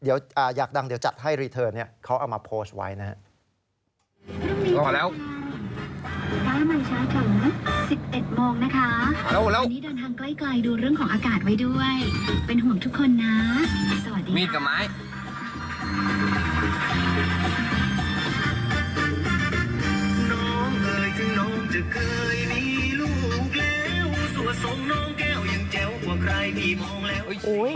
อยากดังเดี๋ยวจัดให้รีเทิร์นเขาเอามาโพสต์ไว้นะครับ